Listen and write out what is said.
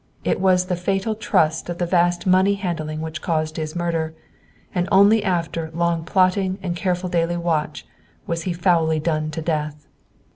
It was the fatal trust of the vast money handling which caused his murder. And only after long plotting and careful daily watch was he foully done to death."